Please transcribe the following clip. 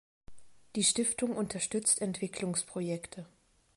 Die Stiftung unterstützt Entwicklungsprojekte.